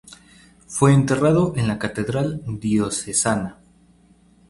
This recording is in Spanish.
Fue enterrado en la catedral diocesana.